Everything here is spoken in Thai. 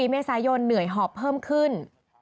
๔เมษายนเหนื่อยหอบเพิ่มขึ้น